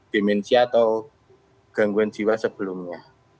dimensia atau gangguan jiwa sebelumnya